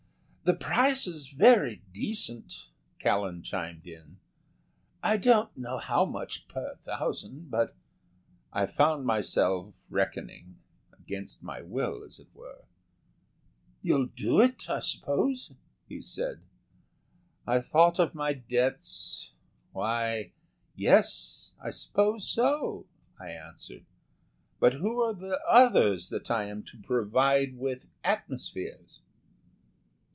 "The price is very decent," Callan chimed in. "I don't know how much per thousand, ...but...." I found myself reckoning, against my will as it were. "You'll do it, I suppose?" he said. I thought of my debts ... "Why, yes, I suppose so," I answered. "But who are the others that I am to provide with atmospheres?"